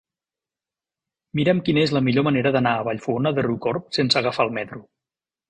Mira'm quina és la millor manera d'anar a Vallfogona de Riucorb sense agafar el metro.